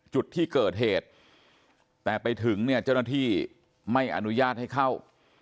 จุดที่เกิดเหตุแต่ไปถึงเนี่ยเจ้าหน้าที่ไม่อนุญาตให้เข้า